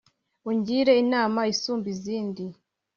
ungire inama isumba izindi